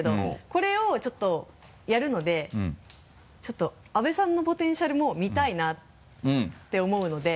これをちょっとやるのでちょっと阿部さんのポテンシャルも見たいなって思うので。